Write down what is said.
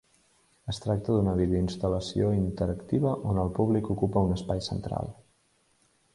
Es tracta d'una videoinstal·lació interactiva on el públic ocupa un espai central.